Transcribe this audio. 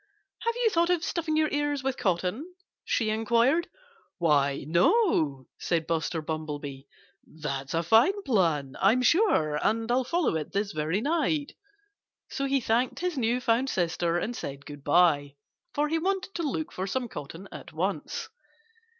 Have you thought of stuffing your ears with cotton?" she inquired. "Why, no!" said Buster Bumblebee. "That's a fine plan, I'm sure. And I'll follow it this very night." So he thanked his new found sister and said good by, for he wanted to look for some cotton at once.